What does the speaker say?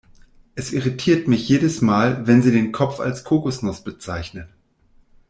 Es irritiert mich jedes Mal, wenn sie den Kopf als Kokosnuss bezeichnet.